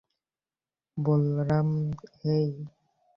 Balaram, হেই?